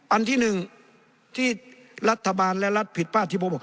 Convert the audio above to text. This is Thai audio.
อันที่หนึ่งที่รัฐบาลและรัฐผิดป้าที่พวกบอก